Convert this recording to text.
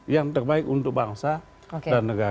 yang terbaik untuk bangsa dan negara